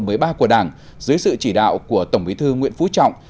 đội mới ba của đảng dưới sự chỉ đạo của tổng bí thư nguyễn phú trọng